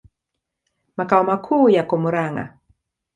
Makao makuu yako Murang'a.